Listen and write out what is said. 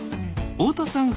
大田さん